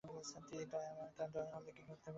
তিনি দয়াময়, তাঁর দয়া হলে কী ঘটতে পারে।